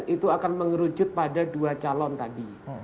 itu akan mengerucut pada dua calon tadi